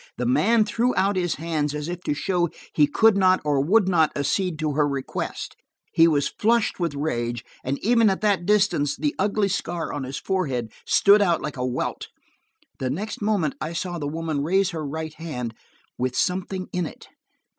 The man threw out his hands as if to show he could not or would not accede to her request; he was flushed with rage, and even at that distance the ugly scar on his forehead stood out like a welt. The next moment I saw the woman raise her right hand, with something in it.